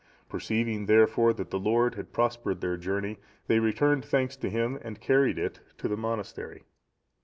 Perceiving, therefore, that the Lord had prospered their journey, they returned thanks to Him and carried it to the monastery.